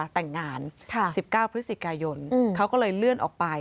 แต่งงาน๑๙พฤศจิกายนเขาก็เลยเลื่อนออกไป